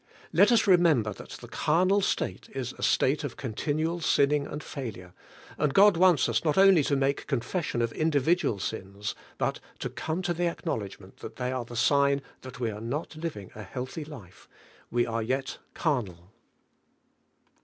Let us remember that the car nal state is a state of continual sinning and failure, and God wants us not only to make confession of individual sins, but to come to the acknowledg ment that they are the sign that we are not living a healthy life, — we are yet carnal.